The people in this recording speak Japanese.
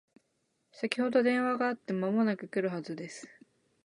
先ほど電話があって間もなく来るはずです